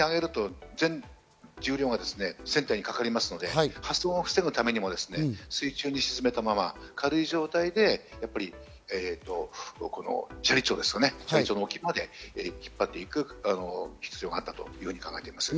水中で機中に揚げると全重量が船体にかかりますので防ぐためにも、水中に沈めたまま軽い状態で斜里町の沖まで引っ張っていく必要があったと考えています。